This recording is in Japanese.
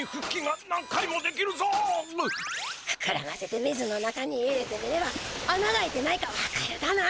ふくらませて水の中に入れてみればあなが開いてないか分かるだな。